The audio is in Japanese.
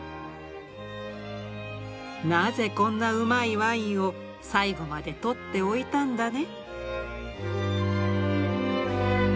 「なぜこんなうまいワインを最後まで取って置いたんだね？」。